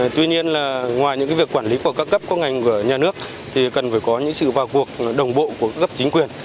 tuy nhiên là ngoài những việc quản lý của các cấp các ngành của nhà nước thì cần phải có những sự vào cuộc đồng bộ của cấp chính quyền